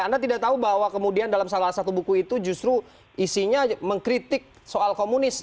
anda tidak tahu bahwa kemudian dalam salah satu buku itu justru isinya mengkritik soal komunis